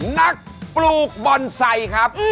นักปลูกบอนไซ่ครับ